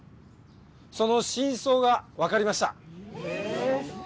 その真相がわかりました。